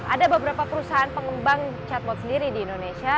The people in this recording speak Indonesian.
ada beberapa perusahaan pengembang chatbot sendiri di indonesia